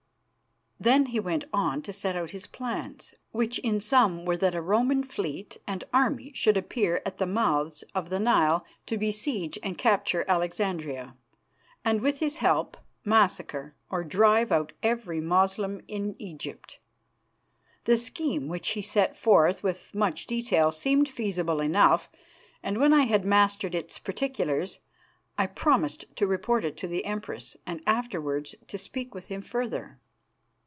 Then he went on to set out his plans, which in sum were that a Roman fleet and army should appear at the mouths of the Nile to besiege and capture Alexandria, and, with his help, massacre or drive out every Moslem in Egypt. The scheme, which he set forth with much detail, seemed feasible enough, and when I had mastered its particulars I promised to report it to the Empress, and afterwards to speak with him further.